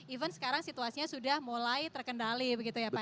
even sekarang situasinya sudah mulai terkendali begitu ya pak